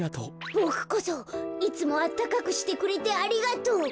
ボクこそいつもあったかくしてくれてありがとう。